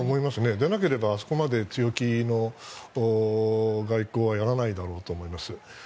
でなければそこまで強気な外交はやらないだろうと思います。